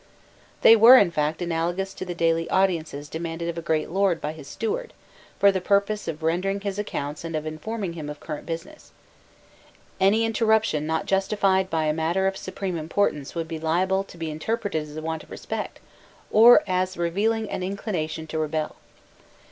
They were, in fact, analogous to the daily audiences demanded of a great lord by his steward, for the purpose of rendering his accounts and of informing him of current business: any interruption not justified by a matter of supreme importance would be liable to be interpreted as a want of respect or as revealing an inclination to rebel.